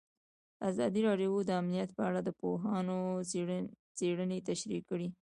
ازادي راډیو د امنیت په اړه د پوهانو څېړنې تشریح کړې.